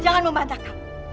jangan membantah kang